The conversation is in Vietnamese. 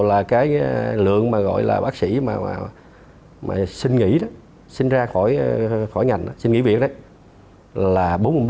là cái lượng mà gọi là bác sĩ mà sinh nghỉ đó sinh ra khỏi ngành đó sinh nghỉ việc đó là bốn mươi một